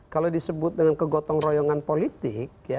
kalau disebut dengan kegotong royongan politik